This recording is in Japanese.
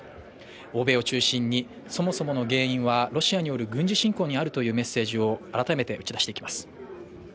欧米を中心にそもそもの原因はロシアによる軍事侵攻にあるというメッセージを改めて打ち出していきます。